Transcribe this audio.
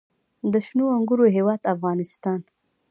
د شنو انګورو هیواد افغانستان.